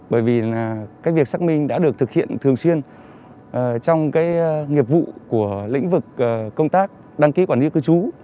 bởi vì là cái việc xác minh đã được thực hiện thường xuyên trong cái nghiệp vụ của lĩnh vực công tác đăng ký quản lý cư trú